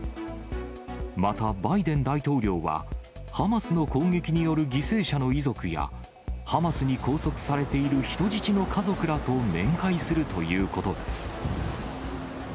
また、バイデン大統領は、ハマスの攻撃による犠牲者の遺族や、ハマスに拘束されている人質の家族らと面会するということです。